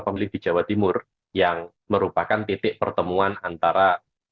pemilih di jawa timur yang merupakan titik pertemuan antara